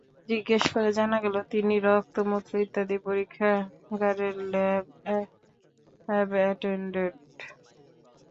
জিজ্ঞেস করে জানা গেল, তিনি রক্ত, মূত্র ইত্যাদি পরীক্ষাগারের ল্যাব অ্যাটেনডেন্ট।